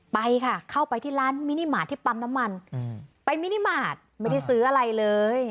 ไปค่ะเข้าไปที่ร้านที่ปัรมน้ำมันไปไม่ได้ซื้ออะไรเลย